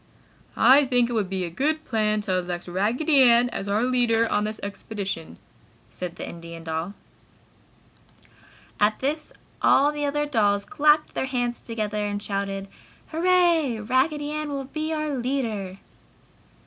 "I think it would be a good plan to elect Raggedy Ann as our leader on this expedition!" said the Indian doll. At this all the other dolls clapped their hands together and shouted, "Hurrah! Raggedy Ann will be our leader."